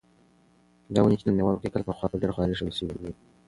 دا ونې چې نن مېوه ورکوي، کلونه پخوا په ډېره خواري ایښودل شوې وې.